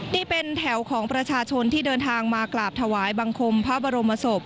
นี่เป็นแถวของประชาชนที่เดินทางมากราบถวายบังคมพระบรมศพ